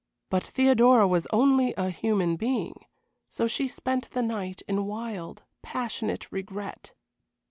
But Theodora was only a human being, so she spent the night in wild, passionate regret.